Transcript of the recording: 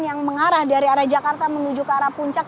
yang mengarah dari arah jakarta menuju ke arah puncak